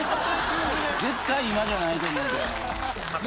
絶対今じゃないと思うけどなぁ。